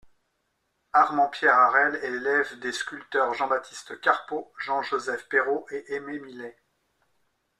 Amand Pierre Harel est l'élève des sculpteurs Jean-Baptiste Carpeaux, Jean-Joseph Perraud et Aimé Millet.